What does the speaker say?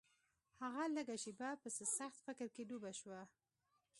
هغه لږه شېبه په څه سخت فکر کې ډوبه شوه.